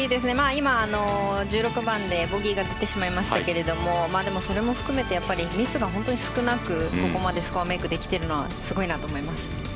今、１６番でボギーが出てしまいましたがそれも含めてミスが本当に少なくここまでスコアメイクできているのはすごいなと思います。